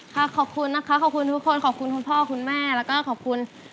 ขอบคุณนะคะขอบคุณทุกคนขอบคุณคุณพ่อคุณแม่แล้วก็ขอบคุณ